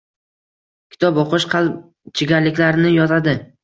Kitob o‘qish qalb chigalliklarini yozadi.